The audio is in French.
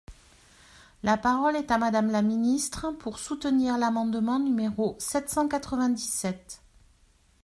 La parole est à Madame la ministre, pour soutenir l’amendement numéro sept cent quatre-vingt-dix-sept.